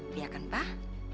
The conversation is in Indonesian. biar kan pak